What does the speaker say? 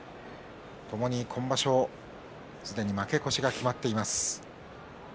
ともに今場所、すでに負け越しが決まっています。